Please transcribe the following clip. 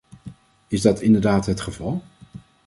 Is dat inderdaad het geval?